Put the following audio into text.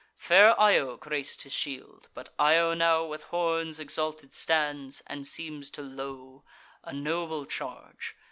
Fair Io grac'd his shield; but Io now With horns exalted stands, and seems to low— A noble charge!